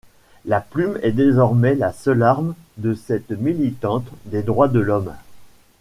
La plume est désormais la seule arme de cette militante des droits de l'homme.